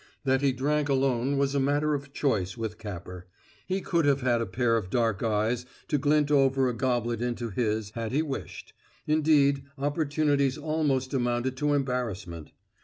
That he drank alone was a matter of choice with Capper; he could have had a pair of dark eyes to glint over a goblet into his had he wished indeed, opportunities almost amounted to embarrassment.